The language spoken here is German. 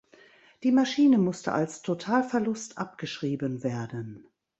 Die Maschine musste als Totalverlust abgeschrieben werden.